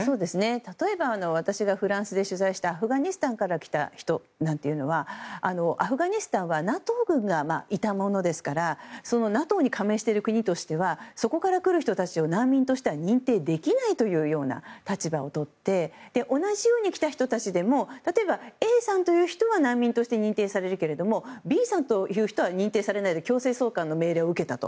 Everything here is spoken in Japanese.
例えば私がフランスで取材したアフガニスタンから来た人なんていうのはアフガニスタンはＮＡＴＯ軍がいたものですからＮＡＴＯに加盟してる国としてはそこから来る人たちを難民として認定できないというような立場をとって同じように来た人たちでも例えば、Ａさんという人は難民として認定されるけどＢさんという人は認定されないで強制送還の命令を受けたと。